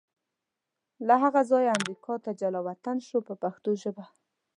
له هغه ځایه امریکا ته جلا وطن شو په پښتو ژبه.